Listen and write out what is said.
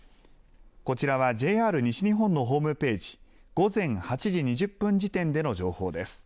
こちらはＪＲ西日本のホームページ、午前８時２０分時点での情報です。